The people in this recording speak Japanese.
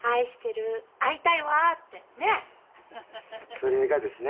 それがですね。